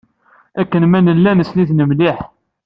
Akken ma nella nessen-it mliḥ.